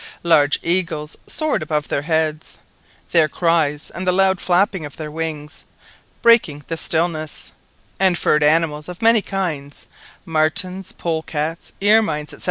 Large eagles soared above their heads, their cries and the loud flapping of their wings breaking the stillness, and furred animals of many kinds, martens, polecats, ermines, &c.